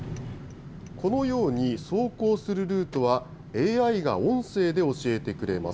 このように、走行するルートはＡＩが音声で教えてくれます。